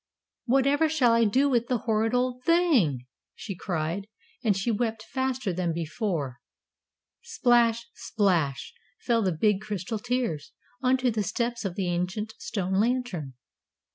"Whatever shall I do with the horrid old thing?" she cried, and she wept faster than before. Splash, splash, fell the big crystal tears, on to the steps of the ancient stone Lantern.